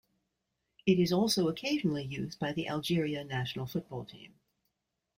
It is also occasionally used by the Algeria national football team.